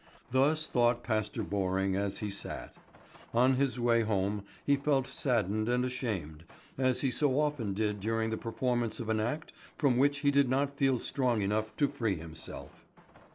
Thus thought Pastor Borring as he sat. On his way home he felt saddened and ashamed, as he so often did during the performance of an act from which he did not feel strong enough to free himself.